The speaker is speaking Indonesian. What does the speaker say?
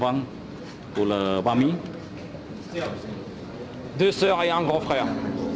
dua juta rupiah dan satu juta rupiah